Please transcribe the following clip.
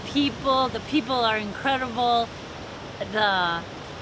pembelian orang orang ini luar biasa